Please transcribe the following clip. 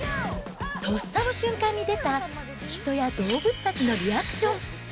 とっさの瞬間に出た、人や動物たちのリアクション。